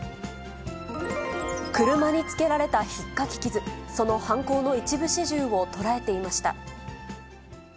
車につけられたひっかき傷、その犯行の一部始終を捉えていました。